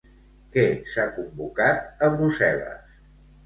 Què s'ha convocat a Brussel·les?